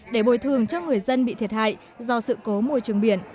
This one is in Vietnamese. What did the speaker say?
để bồi thương cho người dân bị thiệt hại do sự cố mùa trường biển